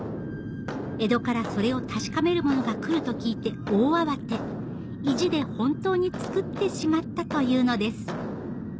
江戸からそれを確かめる者が来ると聞いて大慌て意地で本当に作ってしまったというのです